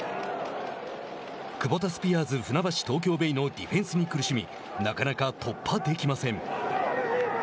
クボタスピアーズ船橋・東京ベイのディフェンスに苦しみなかなか突破できません。